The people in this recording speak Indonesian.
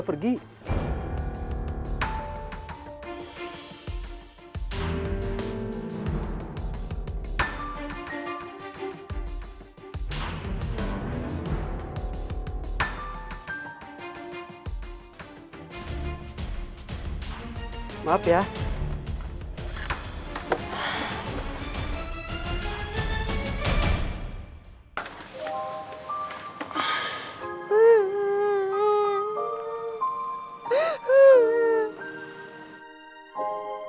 ibu ibu ibu ibu ibu ibu